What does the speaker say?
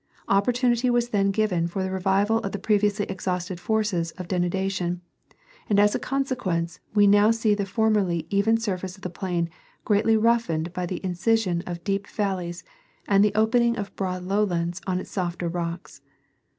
Opportunity was then given for the revival of the previously exhausted forces of denudation, and as a consequence we now see the formerly even siirface of the plain greatly roughened by the incision of deep valleys and the opening of broad lowlands on its softer rocks.